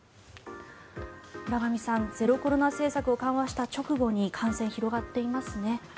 浦上さんゼロコロナ政策を緩和した直後に感染が広がっていますね。